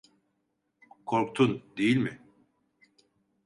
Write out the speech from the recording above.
Korktun, değil mi?